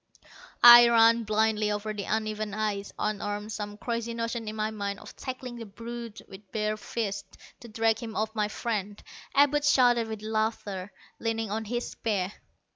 I ran blindly over the uneven ice, unarmed, some crazy notion in my mind of tackling the brute with bare fists, to drag him off my friend. Abud shouted with laughter, leaning on his spear.